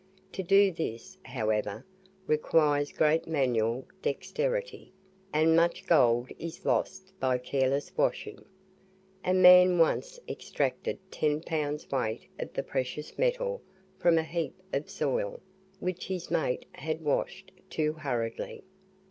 To do this, however, requires great manual dexterity, and much gold is lost by careless washing. A man once extracted ten pounds weight of the precious metal from a heap of soil which his mate had washed too hurriedly.